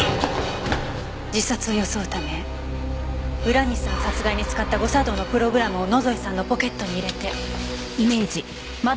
自殺を装うため浦西さん殺害に使った誤作動のプログラムを野添さんのポケットに入れて。